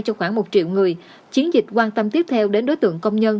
cho khoảng một triệu người chiến dịch quan tâm tiếp theo đến đối tượng công nhân